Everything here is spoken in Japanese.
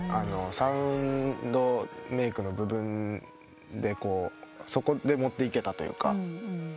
サウンドメークの部分でそこで持っていけたというか。